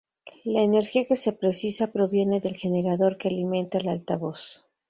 La energía que se precisa proviene del generador que alimenta el altavoz.